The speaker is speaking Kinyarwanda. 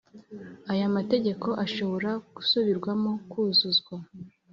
Aya mategeko ashobora gusubirwamo kuzuzwa